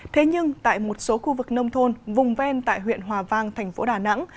thế nhưng tại một số khu vực nông thôn vùng ven tại huyện hòa vang thành phố đà nẵng